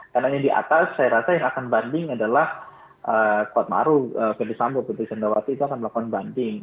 karena yang di atas saya rasa yang akan banding adalah kuat maruf fethi sambo putri sandowati itu akan melakukan banding